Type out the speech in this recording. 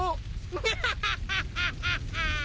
ハハハハハ！